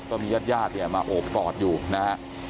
ต้องมีญาติโยดยาดเนี้ยมาโอบกอดอยู่นะฮะ